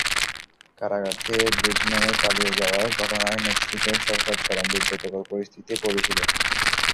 কারাগার থেকে গুজম্যানের পালিয়ে যাওয়ার ঘটনায় মেক্সিকোর সরকার চরম বিব্রতকর পরিস্থিতিতে পড়েছিল।